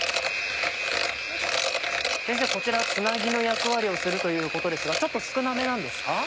こちらはつなぎの役割をするということですがちょっと少なめなんですか？